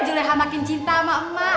juleha makin cinta sama mak